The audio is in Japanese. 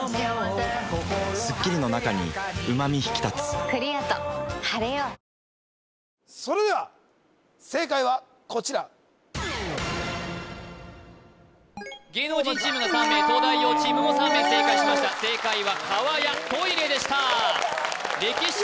それでは正解はこちらそれでは正解はこちら芸能人チームが３名東大王チームも３名正解しました正解はかわやトイレでしたれきし